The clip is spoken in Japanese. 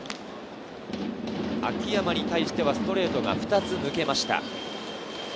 秋山に対してはストレートが２つ抜けました。